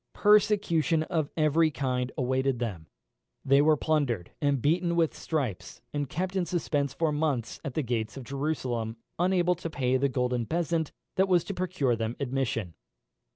Persecution of every kind awaited them. They were plundered, and beaten with stripes, and kept in suspense for months at the gates of Jerusalem, unable to pay the golden bezant that was to procure them admission.